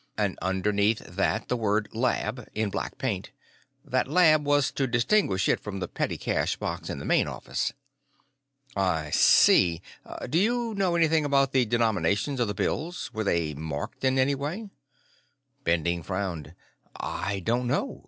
And underneath that, the word 'Lab'. In black paint. That 'Lab' was to distinguish it from the petty cash box in the main office." "I see. Do you know anything about the denominations of the bills? Were they marked in any way?" Bending frowned. "I don't know.